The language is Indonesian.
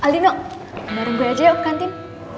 aldino baru gue aja yuk kantin